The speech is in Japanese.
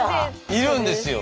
いるんですよ。